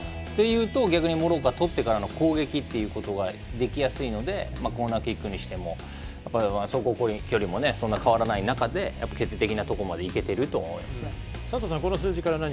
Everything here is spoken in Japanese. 逆にモロッコはとってからの攻撃っていうことができやすいのでコーナーキックにしても、距離もそんなに変わらない中で決定的なところまでいけてると。